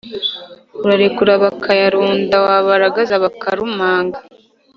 « urarekurura bakayarunda/ wabaragaza bakarumanga/